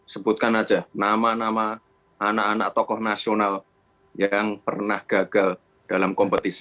sebutkan aja nama nama anak anak tokoh nasional yang pernah gagal dalam kompetisi